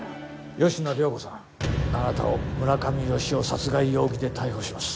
吉野涼子さんあなたを村上好夫殺害容疑で逮捕します。